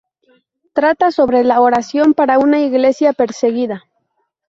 Trata sobre la oración para una Iglesia perseguida.